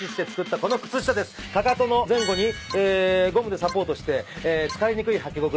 かかとの前後にゴムでサポートして疲れにくいはき心地に。